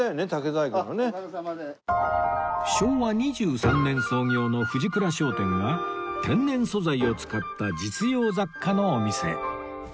昭和２３年創業の藤倉商店は天然素材を使った実用雑貨のお店